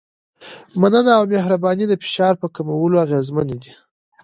مننه او مهرباني د فشار په کمولو اغېزمن دي.